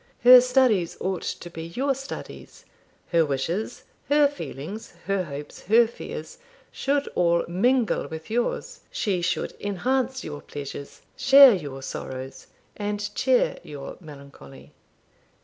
Her studies ought to be your studies; her wishes, her feelings, her hopes, her fears, should all mingle with yours. She should enhance your pleasures, share your sorrows, and cheer your melancholy.'